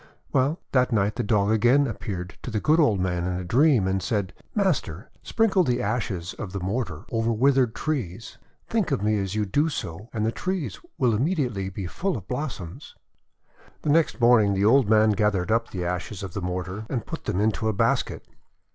Well, that night the Dog again appeared to the good old man in a dream, and said :—* Master, sprinkle the ashes of the mortar over withered trees. Think of me as you do so, and the trees will immediately be full of blos soms.' The next morning the old man gathered up the ashes of the mortar, and put them into a basket.